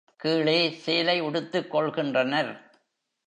கீழே சேலை உடுத்துக் கொள்கின்றனர்.